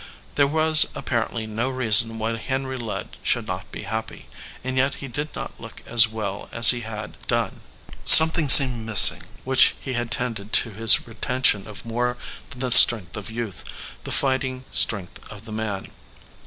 There was apparently no reason why Henry Ludd should not be happy, and yet he did not look as well as he had done. 256 THE SOLDIER MAN Something seemed missing which had tended to his retention of more than the strength of youth the fighting strength of the man.